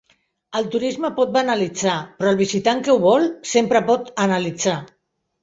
El turisme pot banalitzar, però el visitant que ho vol, sempre pot analitzar.